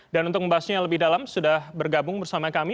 dan untuk membahasnya lebih dalam sudah bergabung bersama kami